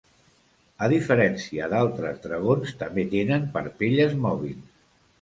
A diferència d'altres dragons, també tenen parpelles mòbils.